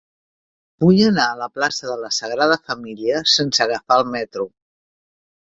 Vull anar a la plaça de la Sagrada Família sense agafar el metro.